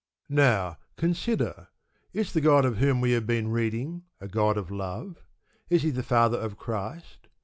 Now, consider, is the God of whom we have been reading a God of love? Is He the Father of Christ?